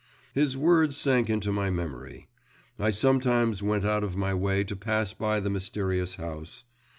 His words sank into my memory. I sometimes went out of my way to pass by the mysterious house.